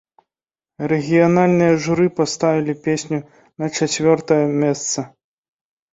Рэгіянальныя журы паставілі песню на чацвёртае месца.